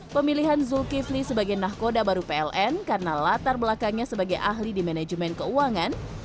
pemilihan zulkifli sebagai nahkoda baru pln karena latar belakangnya sebagai ahli di manajemen keuangan